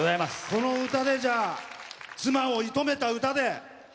この歌で妻を射止めた歌で。